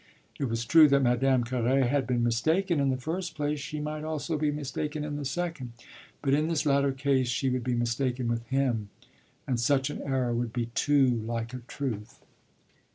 It was true that if Madame Carré had been mistaken in the first place she might also be mistaken in the second. But in this latter case she would be mistaken with him and such an error would be too like a truth.